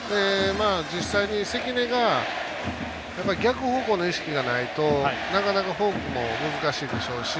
実際に関根が逆方向の意識がないとなかなかフォークも難しいでしょうし。